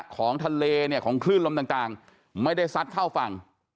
ของทะเลเนี่ยของคลื่นลมต่างไม่ได้ซัดเข้าฝั่ง